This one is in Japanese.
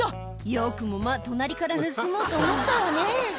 よくもまぁ隣から盗もうと思ったわね